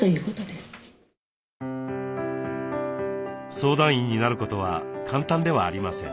相談員になることは簡単ではありません。